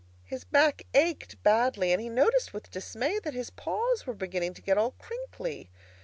His back ached badly, and he noticed with dismay that his paws were beginning to get all crinkly.